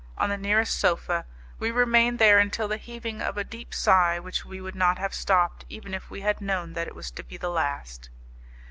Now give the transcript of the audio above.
on the nearest sofa, we remained there until the heaving of a deep sigh which we would not have stopped, even if we had known that it was to be the last!